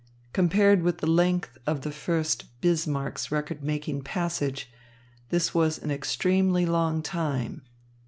Compared with the length of the Fürst Bismarck's record making passage, this was an extremely long time.